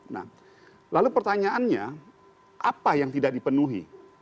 nah lalu pertanyaannya apa yang tidak dipenuhi